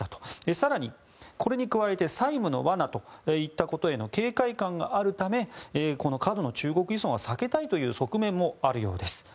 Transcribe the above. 更に、これに加えて債務のわなということへの警戒感があるため過度の中国依存は避けたいという側面もあるようです。